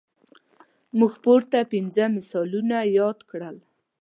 موږ پورته پنځه مثالونه یاد کړل.